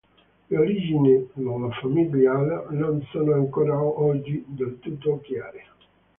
Le origini della famiglia Haller non sono ancora oggi del tutto chiare.